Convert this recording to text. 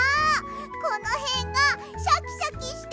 このへんがシャキシャキしてる！